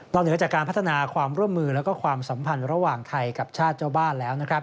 เหนือจากการพัฒนาความร่วมมือและความสัมพันธ์ระหว่างไทยกับชาติเจ้าบ้านแล้วนะครับ